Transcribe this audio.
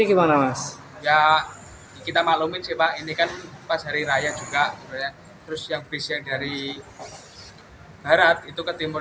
gimana mas ya kita maklumin sih pak ini kan pas hari raya juga terus yang bisnya dari barat itu ke timur